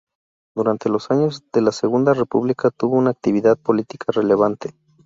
Durante los años de la Segunda República tuvo una actividad política relevante.